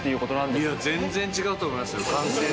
いや、全然違うと思いますよ。